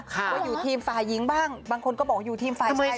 ว่าอยู่ทีมฝ่ายหญิงบ้างบางคนก็บอกอยู่ทีมฝ่ายชาย